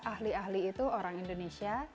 ahli ahli itu orang indonesia